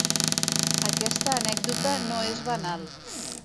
Aquesta anècdota no és banal.